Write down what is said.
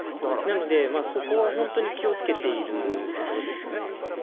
なので、そこは本当に気をつけているところですよね。